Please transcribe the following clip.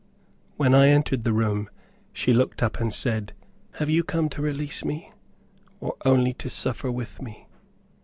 When I entered the room she looked up and said, "Have you come to release me, or only to suffer with me?"